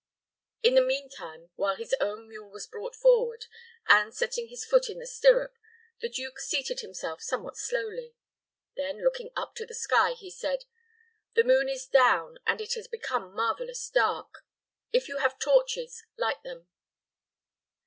In the mean while his own mule was brought forward, and, setting his foot in the stirrup, the duke seated himself somewhat slowly. Then, looking up to the sky, he said, "The moon is down, and it has become marvelous dark. If you have torches, light them."